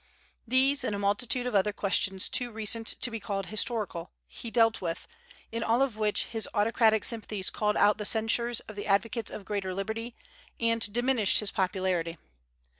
These, and a multitude of other questions too recent to be called historical, he dealt with, in all of which his autocratic sympathies called out the censures of the advocates of greater liberty, and diminished his popularity.